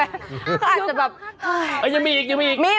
อาจจะแบบอ่าอย่างนี้อย่างงี้